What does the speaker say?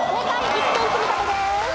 １点積み立てです。